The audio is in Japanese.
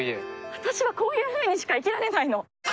私は、こういうふうにしか生きられないの。